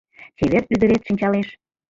Чевер ӱдырет шинчалеш.